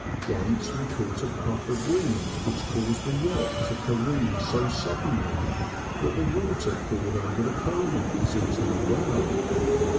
Once we caught a puff of wind which caused the yacht to careen so suddenly that the water poured over the coamings into the well.